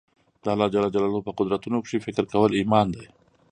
د الله جل جلاله په قدرتونو کښي فکر کول ایمان دئ.